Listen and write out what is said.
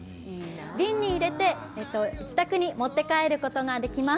瓶に入れて自宅に持って帰ることができます。